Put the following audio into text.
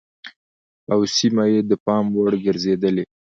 او سيمه يې د پام وړ ګرځېدلې